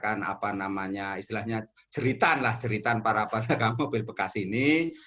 apa namanya istilahnya ceritaan lah ceritan para pedagang mobil bekas ini